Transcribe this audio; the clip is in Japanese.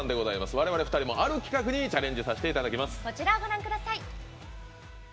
われわれ２人もある企画にチャレンジさせていただきます。